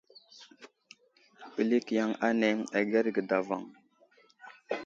Ɓəlik yaŋ ane agərge davoŋ.